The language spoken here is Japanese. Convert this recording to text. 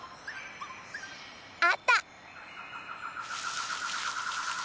あった！